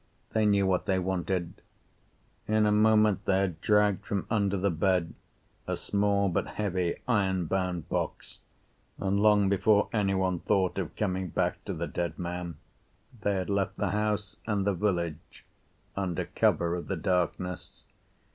They knew what they wanted. In a moment they had dragged from under the bed a small but heavy iron bound box, and long before any one thought of coming back to the dead man they had left the house and the village under cover of the darkness.